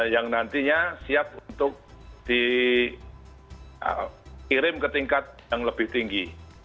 yang nantinya siap untuk dikirim ke tingkat yang lebih tinggi